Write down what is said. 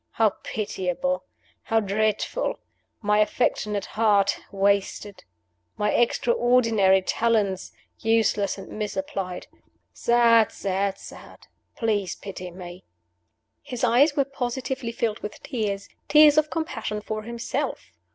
How pitiable! how dreadful! My affectionate heart wasted. My extraordinary talents useless or misapplied. Sad! sad! sad! Please pity me." His eyes were positively filled with tears tears of compassion for himself!